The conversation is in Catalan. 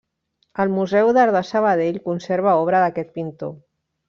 El Museu d'Art de Sabadell conserva obra d'aquest pintor.